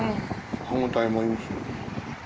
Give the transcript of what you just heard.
歯応えもいいし。